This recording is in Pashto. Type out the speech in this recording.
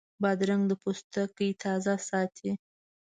بادرنګ د پوستکي تازه ساتي.